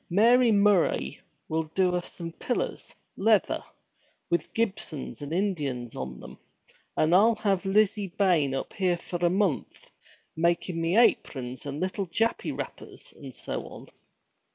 Mary Murray will do us some pillers leather with Gibsons and Indians on them. And I'll have Lizzie Bayne up here for a month, makin' me aprons and little Jappy wrappers, and so on.'